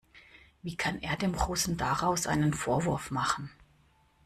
Wie kann er dem Russen daraus einen Vorwurf machen?